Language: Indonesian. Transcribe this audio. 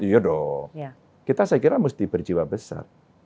iya dong kita saya kira mesti berjiwa besar